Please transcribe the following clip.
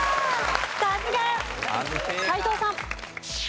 さすが！斎藤さん。